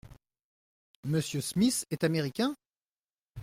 Monsieur Smith est américain ?